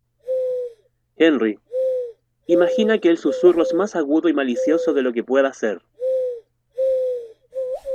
Henry...imagina que el susurro es más agudo y malicioso de lo que pueda ser.